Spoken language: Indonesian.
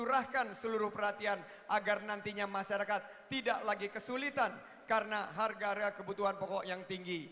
menyerahkan seluruh perhatian agar nantinya masyarakat tidak lagi kesulitan karena harga harga kebutuhan pokok yang tinggi